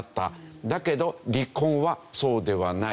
だけど離婚はそうではない。